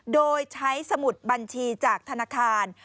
โดยใช้สมุดบัญชีจากธนาคาร